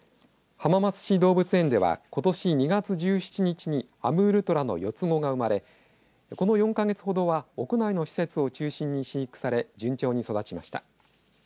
浜松市動物園では、ことし２月１７日にアムールトラの４つ子が生まれこの４か月ほどは屋内の施設を中心に飼育され順調に育ちました。